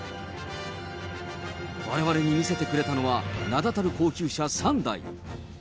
われわれに見せてくれたのは、名だたる高級車３台。